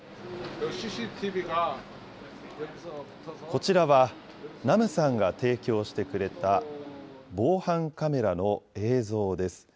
こちらはナムさんが提供してくれた防犯カメラの映像です。